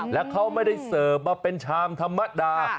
แล้วเขาไม่ได้เสิร์ฟมาเป็นชามธรรมดา